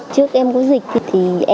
trước em có dịch thì em